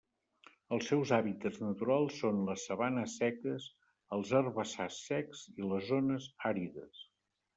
Els seus hàbitats naturals són les sabanes seques, els herbassars secs i les zones àrides.